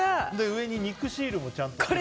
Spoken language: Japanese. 上に肉シールもちゃんと。